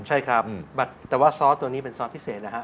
ใช่ครับแต่ว่าซอสตัวนี้เป็นซอสพิเศษนะครับ